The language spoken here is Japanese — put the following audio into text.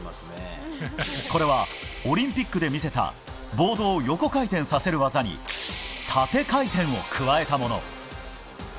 これはオリンピックで見せたボードを横回転させる技に縦回転を加えたもの。